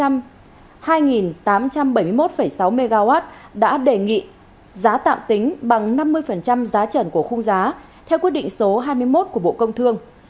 hai tám trăm bảy mươi một sáu mw đã đề nghị giá tạm tính bằng năm mươi giá trần của khung giá theo quyết định số hai mươi một của bộ công thương